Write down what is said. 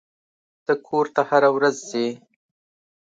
ته کور ته هره ورځ ځې.